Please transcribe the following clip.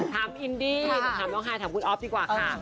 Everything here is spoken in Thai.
ถามอินดี้ถามน้องฮายถามคุณอ๊อฟดีกว่าค่ะ